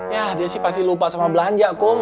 ya dia sih pasti lupa sama belanja kok